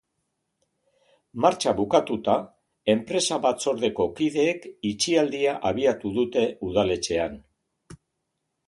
Martxa bukatuta, enpresa batzordeko kideek itxialdia abiatu dute udaletxean.